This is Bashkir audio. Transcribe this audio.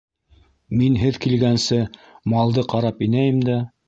Мин һеҙ килгәнсе малды ҡарап инәйем дә...